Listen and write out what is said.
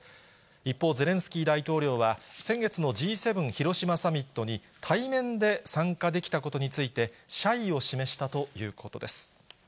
一方、ゼレンスキー大統領は、先月のＧ７広島サミットに対面で参加できたことについて、謝意を示したということです。